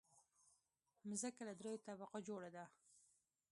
مځکه له دریو طبقو جوړه ده.